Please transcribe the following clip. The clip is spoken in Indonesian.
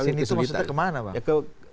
ke sini itu maksudnya kemana pak